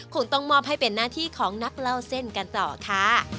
คงต้องมอบให้เป็นหน้าที่ของนักเล่าเส้นกันต่อค่ะ